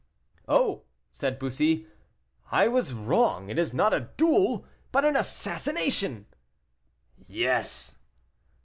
"Oh!" said Bussy, "I was wrong; it is not a duel, but an assassination." "Yes."